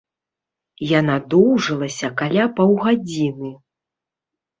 Яна доўжылася каля паўгадзіны.